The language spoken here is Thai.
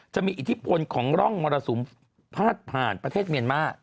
อิทธิพลของร่องมรสุมพาดผ่านประเทศเมียนมา